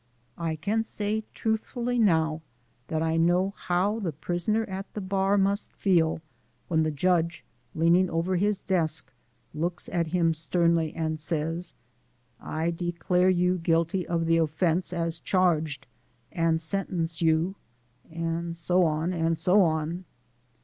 I can say truthfully now that I know how the prisoner at the bar must feel when the judge, leaning over his desk, looks at him sternly and says: "I declare you guilty of the offence as charged, and sentence you " and so on, and so on.